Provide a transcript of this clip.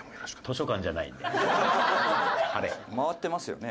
回ってますよね？